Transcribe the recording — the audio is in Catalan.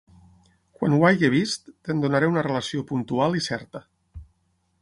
Quan ho hagi vist, te'n donaré una relació puntual i certa.